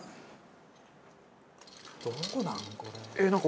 どうなの？